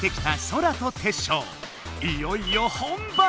いよいよ本番！